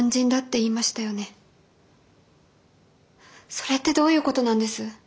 それってどういうことなんです？